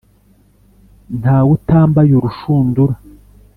Nta we utambaye urushundura,